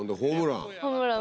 ホームラン。